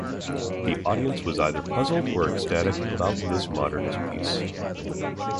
The audience was either puzzled or ecstatic about this modernist piece.